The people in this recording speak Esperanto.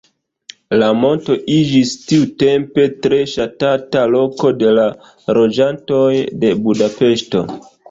La monto iĝis tiutempe tre ŝatata loko de la loĝantoj de Budapeŝto.